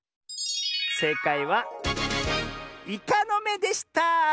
えいかいはイカのめでした！